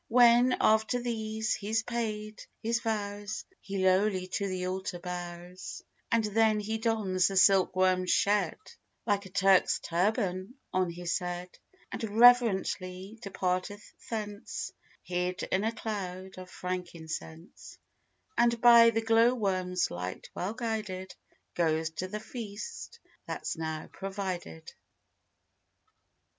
When, after these, he's paid his vows, He lowly to the altar bows; And then he dons the silk worm's shed, Like a Turk's turban on his head, And reverently departeth thence, Hid in a cloud of frankincense; And by the glow worm's light well guided, Goes to the Feast that's now provided.